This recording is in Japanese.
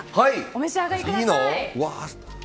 お召し上がりください。